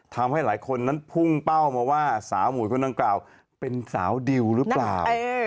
ทำให้หลายคนนั้นพุ่งเป้ามาว่าสาวหมวยคนดังกล่าวเป็นสาวดิวหรือเปล่า